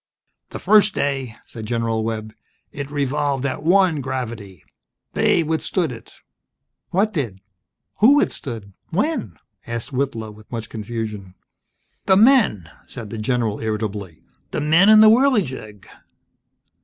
"The first day " said General Webb, "it revolved at one gravity! They withstood it!" "What did? Who withstood? When?" asked Whitlow, with much confusion. "The men!" said the general, irritably. "The men in the Whirligig!"